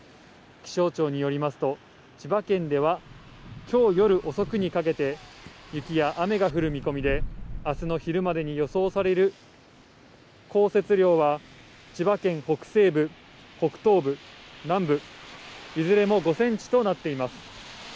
気象庁によりますと、千葉県ではきょう夜遅くにかけて、雪や雨が降る見込みで、あすの昼までに予想される降雪量は、千葉県北西部、北東部、南部、いずれも５センチとなっています。